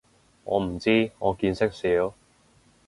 我唔知，我見識少